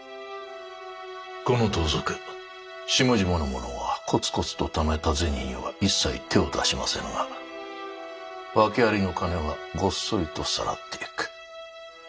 この盗賊下々の者がこつこつとためた銭には一切手を出しませぬが訳ありの金はごっそりとさらっていく。